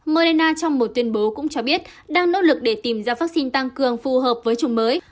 mona trong một tuyên bố cũng cho biết đang nỗ lực để tìm ra vaccine tăng cường phù hợp với chủng mới